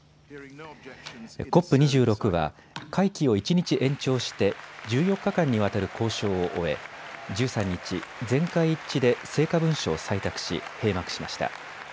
ＣＯＰ２６は会期を一日延長して１４日間にわたる交渉を終え１３日、全会一致で成果文書を採択し、閉幕しました。